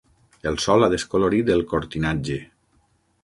El sol ha descolorit el cortinatge.